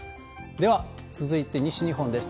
では続いて、西日本です。